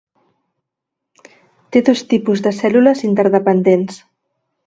Té dos tipus de cèl·lules interdependents.